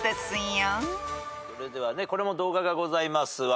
それではこれも動画がございます。